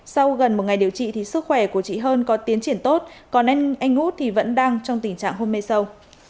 sau gần một ngày điều trị thì sức khỏe của chị hơn có tiến triển tốt còn nên anh út vẫn đang trong tình trạng hôn mê sâu